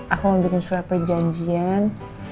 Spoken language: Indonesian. aku bikin surat perjanjian